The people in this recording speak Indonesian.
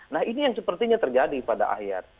nah ini yang sepertinya terjadi pada akhir